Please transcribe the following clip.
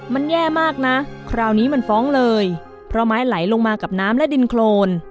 มันแย่มากนะคราวนี้มันฟ้องเลยเพราะไม้ไหลลงมากับน้ำและดินโครน